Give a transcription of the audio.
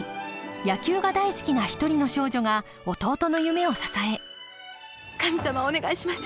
野球が大好きな一人の少女が弟の夢を支え神様お願いします。